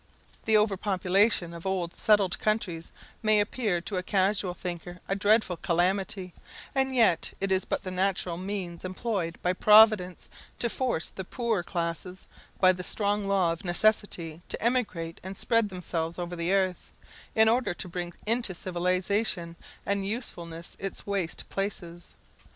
The over population of old settled countries may appear to a casual thinker a dreadful calamity; and yet it is but the natural means employed by Providence to force the poorer classes, by the strong law of necessity, to emigrate and spread themselves over the earth, in order to bring into cultivation and usefulness its waste places.